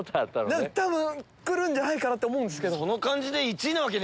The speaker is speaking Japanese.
多分くるんじゃないかなって思うんすけど。